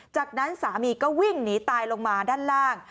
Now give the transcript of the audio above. จากนั้นสามีก็วิ่งหนีตายลงมาด้านล่าง